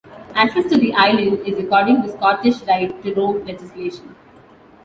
Access to the island is according to Scottish right to roam legislation.